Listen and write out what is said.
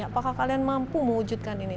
apakah kalian mampu mewujudkan ini